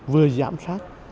vừa giảm sát